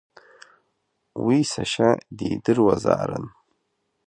Уи сашьа дидыруазаарын.